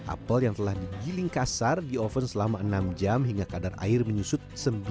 apel yang telah digiling kasar di oven selama enam jam hingga kadar air menyusut